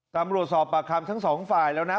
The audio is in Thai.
ตำรวจสอบปากคำทั้งสองฝ่ายแล้วนะ